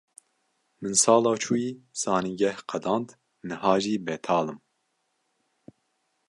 Min sala çûyî zanîngeh qedand, niha jî betal im.